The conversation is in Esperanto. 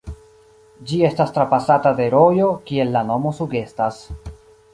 Ĝi estas trapasata de rojo, kiel la nomo sugestas.